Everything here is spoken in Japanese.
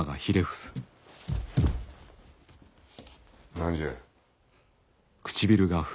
何じゃ。